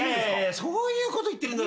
そういうこと言ってるんでは。